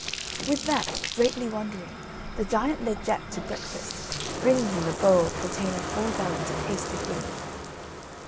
With that, greatly wondering, the giant led Jack to breakfast, bringing him a bowl containing four gallons of hasty pudding.